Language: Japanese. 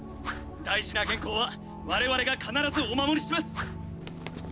大事な原稿は我々が必ずお守りします！